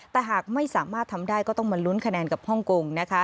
แต่หากไม่สามารถทำได้ก็ต้องมาลุ้นคะแนนกับฮ่องกงนะคะ